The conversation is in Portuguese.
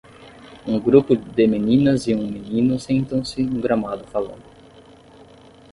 Um grupo de meninas e um menino sentam-se no gramado falando.